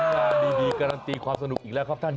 งานดีการันตีความสนุกอีกแล้วครับท่าน